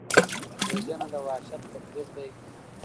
وژنه د وحشت تبلیغ دی